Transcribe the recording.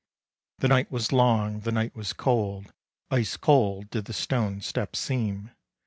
The night was long, the night was cold, Ice cold did the stone steps seem.